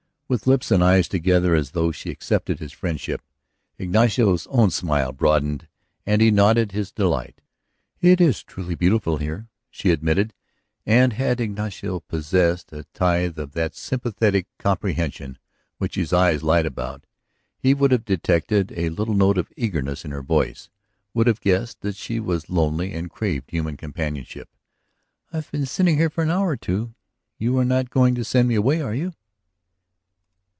With lips and eyes together as though she accepted his friendship. Ignacio's own smile broadened and he nodded his delight. "It is truly beautiful here," she admitted, and had Ignacio possessed a tithe of that sympathetic comprehension which his eyes lied about he would have detected a little note of eagerness in her voice, would have guessed that she was lonely and craved human companionship. "I have been sitting here an hour or two. You are not going to send me away, are you?"